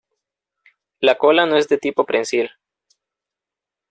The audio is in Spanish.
La cola no es de tipo prensil.